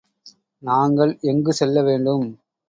நாங்கள் எங்கு செல்ல வேண்டும்?